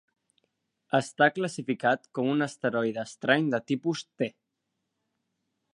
Està classificat com un asteroide estrany de tipus T.